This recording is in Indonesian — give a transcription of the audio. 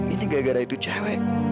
ini tidak karena itu seorang wanita